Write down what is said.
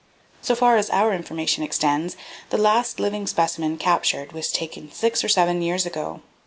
So far as our information extends, the last living specimen captured was taken six or seven years ago.